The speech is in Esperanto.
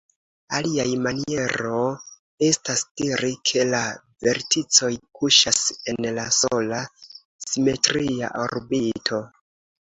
Aliaj maniero estas diri ke la verticoj kuŝas en la sola "simetria orbito".